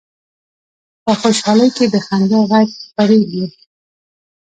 په خوشحالۍ کې د خندا غږ خپرېږي